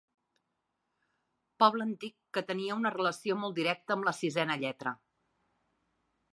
Poble antic que tenia una relació molt directa amb la sisena lletra.